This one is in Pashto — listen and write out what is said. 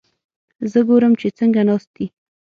زه ګورم چې څنګه ناست دي؟